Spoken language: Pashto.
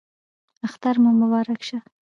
اختر مو مبارک شه